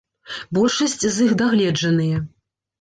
Большасць з іх дагледжаныя.